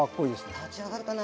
立ち上がるかな？